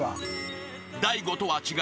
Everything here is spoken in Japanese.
［大悟とは違い